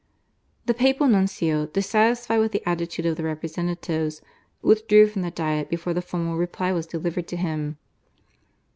The papal nuncio, dissatisfied with the attitude of the representatives, withdrew from the Diet before the formal reply was delivered to him.